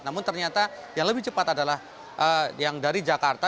namun ternyata yang lebih cepat adalah yang dari jakarta